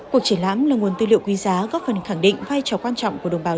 cuộc triển lãm là nguồn tư liệu quý giá góp phần khẳng định vai trò quan trọng của đồng bào